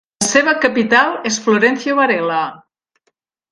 La seva capital és Florencio Varela.